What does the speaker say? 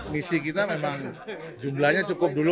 misi kita memang jumlahnya cukup dulu kan ya